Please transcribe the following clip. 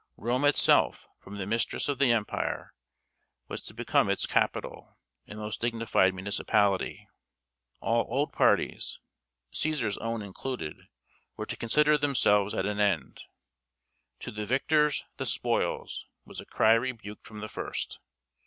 Rome itself, from the mistress of the Empire, was to become its capital and most dignified municipality. All old parties Cæsar's own included were to consider themselves at an end. "To the victors the spoils!" was a cry rebuked from the first.